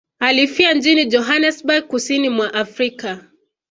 Alifia nchini Johannesburg kusini mwa Afrika